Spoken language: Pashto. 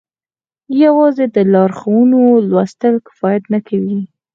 يوازې د لارښوونو لوستل کفايت نه کوي.